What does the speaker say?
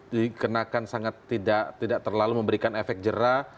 dikenakan sangat tidak terlalu memberikan efek jerah